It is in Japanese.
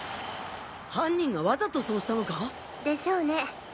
犯人がわざとそうしたのか？でしょうね。